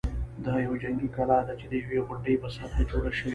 دا یوه جنګي کلا ده چې د یوې غونډۍ په سطحه جوړه شوې.